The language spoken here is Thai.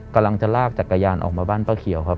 กำลังจะลากจักรยานออกมาบ้านป้าเขียวครับ